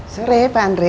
surya pak andre